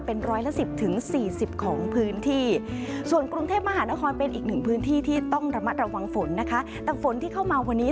เป็น๑๑๐๔๐องศาเซียสของพื้นที่